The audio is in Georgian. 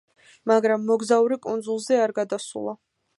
მაგრამ მოგზაური კუნძულზე არ გადასულა.